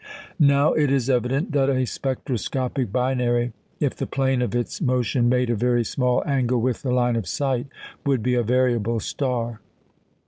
Now it is evident that a spectroscopic binary, if the plane of its motion made a very small angle with the line of sight, would be a variable star.